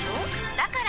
だから！